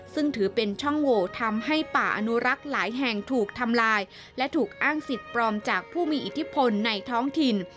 ซึ่งถือเป็นช่องโหวทำให้ป่าอนุรักษ์หลายแห่งถูกทำลายและถูกอ้างสิทธิ์ปลอมจากผู้มีอิทธิพลในท้องถิ่น